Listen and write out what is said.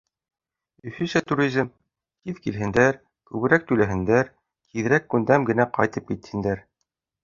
Өфөсә туризм — тиҙ килһендәр, күберәк түләһендәр, тиҙерәк күндәм генә ҡайтып китһендәр.